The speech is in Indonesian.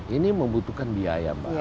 ini membutuhkan biaya mbak